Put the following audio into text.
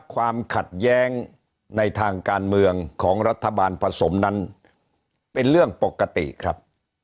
ความขัดแย้งในทางการเมืองของรัฐบาลผสมนั้นเป็นเรื่องปกติครับ